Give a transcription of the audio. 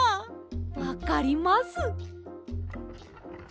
わかります！